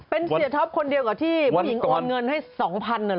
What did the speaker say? เป็นกว่าเสียท็อปคนเดียวกว่าที่ถึง๒๕๐๐บาท